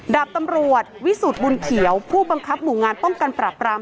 ดาบตำรวจวิสุทธิ์บุญเขียวผู้บังคับหมู่งานป้องกันปรับราม